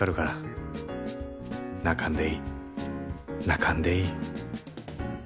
泣かんでいい泣かんでいい。